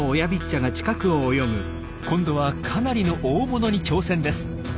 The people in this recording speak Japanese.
今度はかなりの大物に挑戦です。